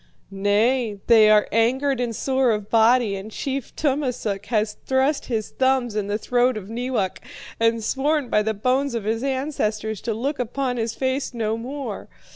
"'Nay, they are angered and sore of body, and Chief Tummasook has thrust his thumbs in the throat of Neewak, and sworn by the bones of his ancestors to look upon his face no more.